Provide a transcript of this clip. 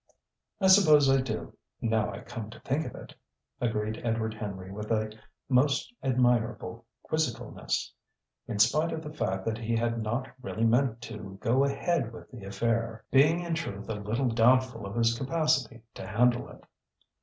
"I suppose I do, now I come to think of it!" agreed Edward Henry with a most admirable quizzicalness; in spite of the fact that he had not really meant to "go ahead with the affair," being in truth a little doubtful of his capacity to handle it.